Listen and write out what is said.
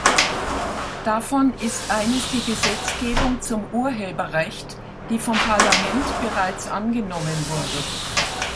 Davon ist eines die Gesetzgebung zum Urheberrecht, die vom Parlament bereits angenommen wurde.